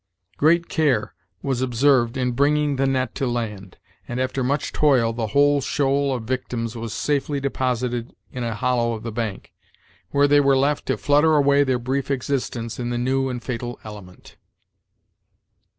Great care was observed in bringing the net to land, and, after much toil, the whole shoal of victims was safely deposited in a hollow of the bank, where they were left to flutter away their brief existence in the new and fatal element.